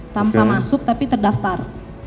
tanpa masuk tapi terdaftar